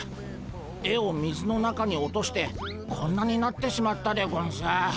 絵を水の中に落としてこんなになってしまったでゴンス。